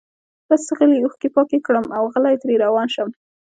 بس غلي اوښکي پاکي کړم اوغلی ترې روان شم